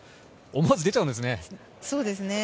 思わず出ちゃうんですね。